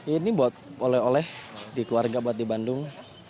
ini buat oleh oleh di keluarga buat di bandung